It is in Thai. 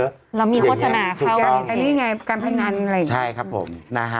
เรามีโฆษณาเขาว่าอิตาลีไงการพนันอะไรอย่างนี้ใช่ครับผมนะฮะ